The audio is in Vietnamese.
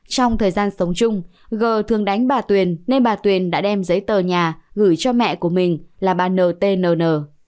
trong thời gian sống chung g thường đánh bà tuyền nên bà tuyền đã đem giấy tờ nhà gửi cho mẹ của mình là bà ntn